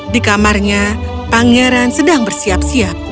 di kamarnya pangeran sedang bersiap siap